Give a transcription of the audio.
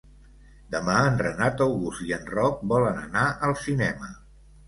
Demà en Renat August i en Roc volen anar al cinema.